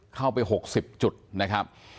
เข้าไป๖๐จุดนะครับ